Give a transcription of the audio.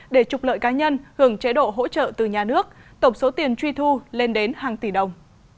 để trục lợi cá nhân hưởng chế độ hỗ trợ từ nhà nước tổng số tiền truy thu lên đến hàng tỷ đồng